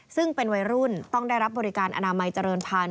ซึ่งเป็นวัยรุ่นต้องได้รับบริการอนามัยเจริญพันธ